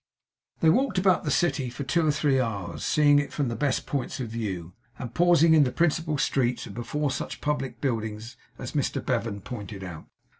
They walked about the city for two or three hours; seeing it from the best points of view, and pausing in the principal streets, and before such public buildings as Mr Bevan pointed out.